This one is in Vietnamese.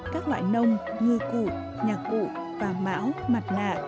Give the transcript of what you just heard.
các loại nông ngư cụ nhạc cụ và mão mặt nạ